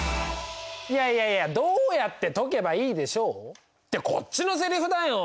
いやいやいや「どうやって解けばいいでしょう？」ってこっちのセリフだよ！